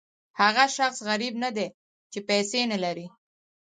هغه شخص غریب نه دی چې پیسې نه لري.